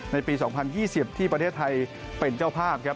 ในปี๒๐๒๐ที่ประเทศไทยเป็นเจ้าภาพครับ